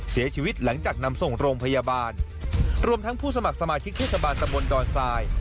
เสียชีวิตหลังจากนำส่งโรงพยาบาลรวมทั้งผู้สมัครสมาชิกเทศบาลตะบนดอนทราย